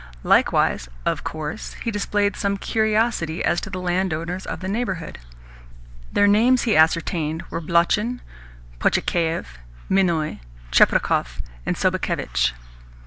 Likewise (of course) he displayed some curiosity as to the landowners of the neighbourhood. Their names, he ascertained, were Blochin, Potchitaev, Minoi, Cheprakov, and Sobakevitch.